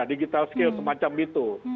digital skill semacam itu